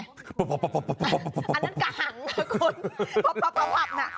อันนั้นกระหังนะคุณพับนะ